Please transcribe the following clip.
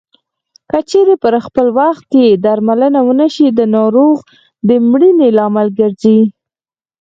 که چېرې پر خپل وخت یې درملنه ونشي د ناروغ د مړینې لامل ګرځي.